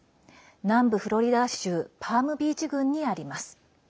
南部フロリダ州パームビーチ郡にあります。